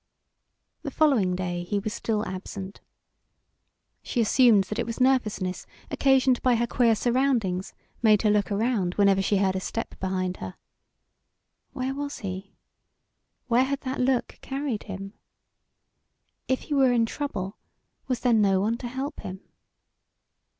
The following day he was still absent. She assumed that it was nervousness occasioned by her queer surroundings made her look around whenever she heard a step behind her. Where was he? Where had that look carried him? If he were in trouble, was there no one to help him?